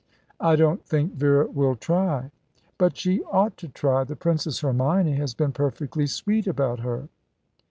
"I don't think Vera will try." "But she ought to try. The Princess Hermione has been perfectly sweet about her."